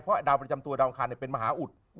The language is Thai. เพราะดาวประจำตัวดาวอังคารเป็นมหาอุด